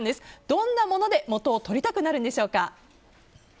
どんなもので元を取りたくなるんでしょうか。